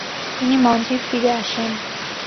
তিনি মঞ্চে ফিরে আসেন।